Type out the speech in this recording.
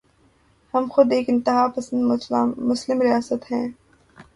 ہم خود ایک انتہا پسند مسلم ریاست ہیں۔